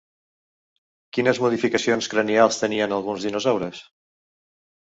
Quines modificacions cranials tenien alguns dinosaures?